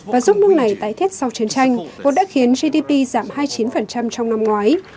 và giúp nước này tái thiết sau chiến tranh cũng đã khiến gdp giảm hai mươi chín trong năm ngoái